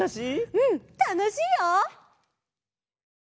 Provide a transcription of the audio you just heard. うんたのしいよ！